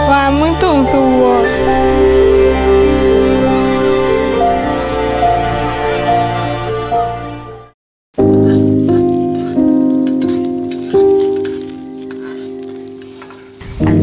ว่ามึงตรงสู่ว่า